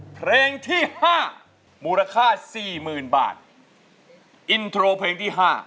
เพลงที่ห้ามูลค่าสี่หมื่นบาทอินโทรเพลงที่ห้า